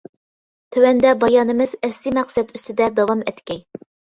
تۆۋەندە بايانىمىز ئەسلى مەقسەت ئۈستىدە داۋام ئەتكەي.